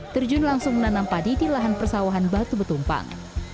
terjun langsung menanam padi di lahan persawahan batu betumpang